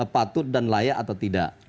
patut dan layak atau tidak